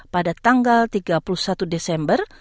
pada tanggal tiga puluh satu desember